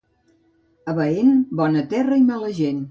A Baén, bona terra i mala gent.